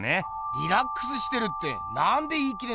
リラックスしてるってなんで言い切れんだよ。